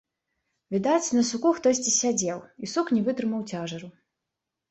Відаць, на суку хтосьці сядзеў, і сук не вытрымаў цяжару.